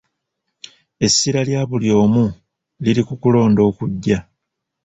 Essira lya buli omu liri ku kulonda okujja.